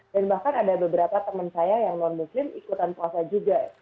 dan bahkan ada beberapa teman saya yang non muslim ikutan puasa juga